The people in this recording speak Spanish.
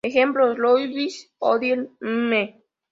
Ejemplos: 'Louise Odier', 'Mme.